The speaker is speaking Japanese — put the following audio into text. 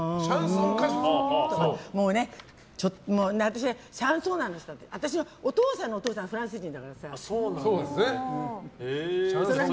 私はシャンソン歌手で私のお父さんのお父さんがフランス人だから。